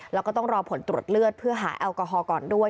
แล้วก็ต้องรอผลตรวจเลือดเพื่อหาแอลกอฮอลก่อนด้วย